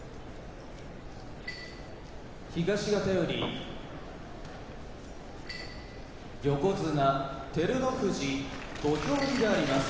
東方より横綱照ノ富士土俵入りであります。